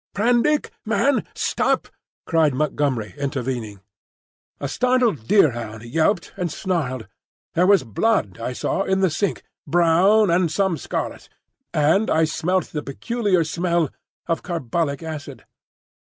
"Prendick, man! Stop!" cried Montgomery, intervening. A startled deerhound yelped and snarled. There was blood, I saw, in the sink,—brown, and some scarlet—and I smelt the peculiar smell of carbolic acid.